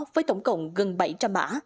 với tổng cộng gần bảy trăm linh mã